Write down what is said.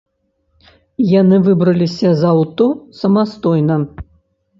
Яны выбраліся з аўто самастойна.